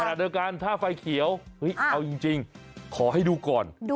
ขณะเดียวกันถ้าไฟเขียวเอาจริงขอให้ดูก่อน